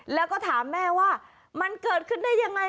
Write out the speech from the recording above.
แล้วก็ถามแม่ว่ามันเกิดขึ้นได้ยังไง